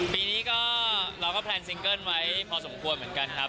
ปีนี้ก็เราก็แพลนซิงเกิ้ลไว้พอสมควรเหมือนกันครับ